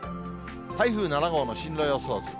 台風７号の進路予想図。